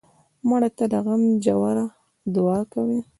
مړه ته د غم ژوره دعا کوو